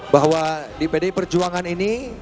bahwa di pdi perjuangan ini